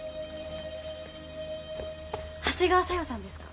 長谷川小夜さんですか？